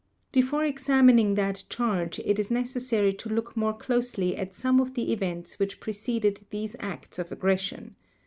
Before examining that charge it is necessary to look more closely at some of the events which preceded these acts of aggression.